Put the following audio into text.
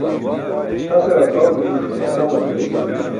Tʰase ġaqaẏumkuṣ samar leel.